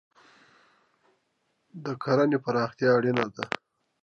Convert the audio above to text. د کرهنې پراختیا اړینه ده.